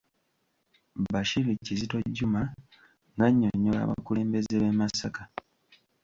Bashir Kizito Juma ng’annyonnyola abakulembeze b’e Masaka.